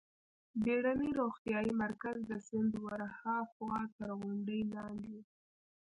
بېړنی روغتیايي مرکز د سیند ورهاخوا تر غونډۍ لاندې و.